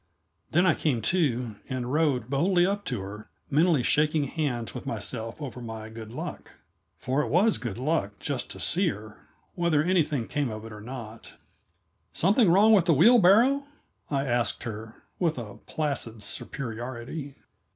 Then I came to, and rode boldly up to her, mentally shaking hands with myself over my good luck. For it was good luck just to see her, whether anything came of it or not. "Something wrong with the wheelbarrow?" I asked her, with a placid superiority.